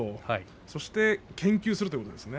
そして研究するということですね。